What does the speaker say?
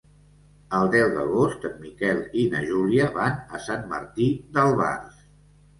El deu d'agost en Miquel i na Júlia van a Sant Martí d'Albars.